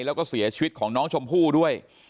แล้วก็เสียชีวิตของน้องชมพู่ด้วย